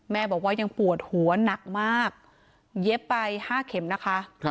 แม่บอกว่ายังปวดหัวหนักมากเย็บไป๕เข็มนะคะ